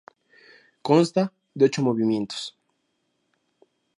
Consta de ocho movimientos.